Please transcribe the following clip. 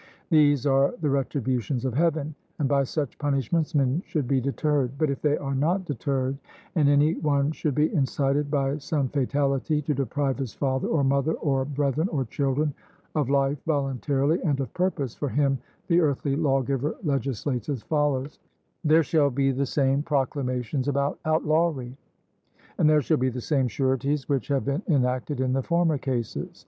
These are the retributions of Heaven, and by such punishments men should be deterred. But if they are not deterred, and any one should be incited by some fatality to deprive his father, or mother, or brethren, or children, of life voluntarily and of purpose, for him the earthly lawgiver legislates as follows: There shall be the same proclamations about outlawry, and there shall be the same sureties which have been enacted in the former cases.